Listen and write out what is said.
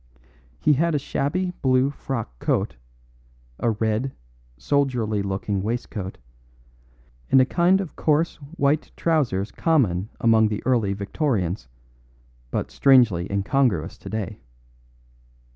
He had a shabby blue frock coat, a red, soldierly looking waistcoat, and a kind of coarse white trousers common among the early Victorians, but strangely incongruous today.